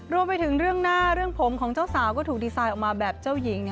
รวมไปถึงเรื่องหน้าเรื่องผมของเจ้าสาวก็ถูกดีไซน์ออกมาแบบเจ้าหญิง